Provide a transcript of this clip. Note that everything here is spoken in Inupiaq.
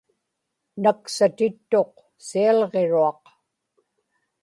naksatittuq sialġiruaq